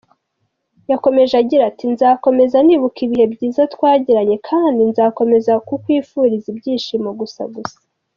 Yakomeje agira ati:“Nzakomeza nibuka ibihe byiza twagiranye, kandi nzakomeza kukwifuriza ibyishimo gusa gusa….